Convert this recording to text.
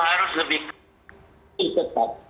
harus lebih ketat